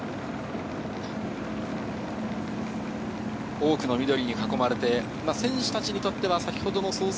多くの緑に囲まれて、選手たちにとっては先ほどの創成